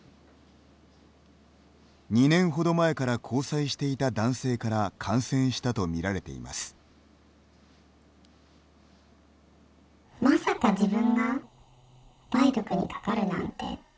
２年ほど前から交際していた男性から感染したとみられています。